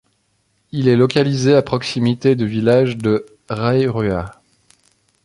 Il est localisé à proximité du village de Rairua.